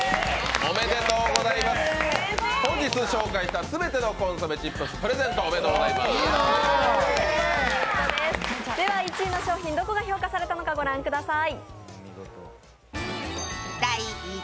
おめでとうございます本日紹介した全てのコンソメチップス、プレゼント、おめでとうございますでは１位の商品どこが評価されたのかご覧ください。